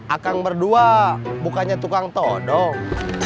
akang berdua bukannya tukang todong